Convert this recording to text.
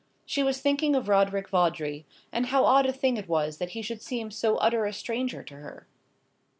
She was thinking of Roderick Vawdrey, and how odd a thing it was that he should seem so utter a stranger to her.